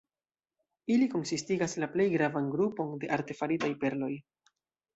Ili konsistigas la plej gravan grupon de artefaritaj perloj.